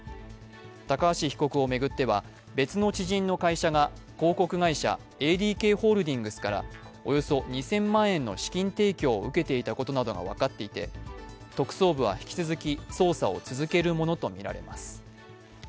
高橋被告を巡っては別の知人の会社が広告会社ＡＤＫホールディングスからおよそ２０００万円の資金提供を受けていたことなどが分かっていて特捜部は引き続き捜査を続けるものとみられます。